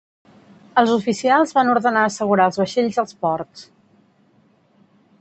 Els oficials van ordenar assegurar els vaixells als ports.